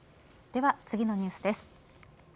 では次のニュースです。